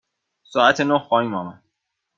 ساعت نه خواهیم آمد.